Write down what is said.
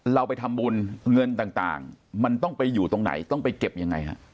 เราไปทำบุญเงินต่างมันต้องไปอยู่ตรงไหนต้องไปเก็บยังไงฮะ